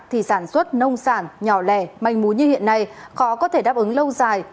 thì sản xuất nông sản nhỏ lẻ manh mú như hiện nay khó có thể đáp ứng lâu dài